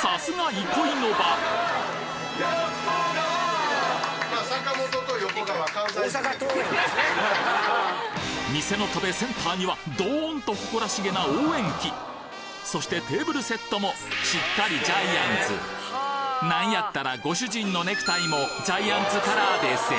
さすが憩いの場店の壁センターにはドーンと誇らしげな応援旗そしてテーブルセットもしっかりジャイアンツなんやったらご主人のネクタイもジャイアンツカラーでっせ！